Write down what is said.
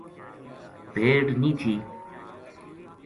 بھیڈ نیہہ تھی۔